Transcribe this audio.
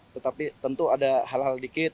tetapi tentu ada hal hal dikit